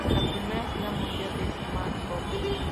La primera gira mundial de SmackDown!